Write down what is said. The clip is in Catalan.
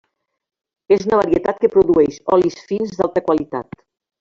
És una varietat que produeix olis fins d'alta qualitat.